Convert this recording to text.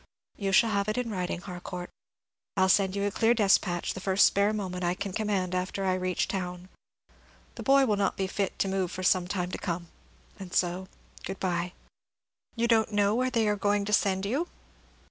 "You shall have it in writing, Harcourt; I'll send you a clear despatch the first spare moment I can command after I reach town. The boy will not be fit to move for some time to come, and so good bye." "You don't know where they are going to send you?"